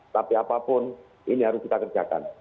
tapi apapun ini harus kita kerjakan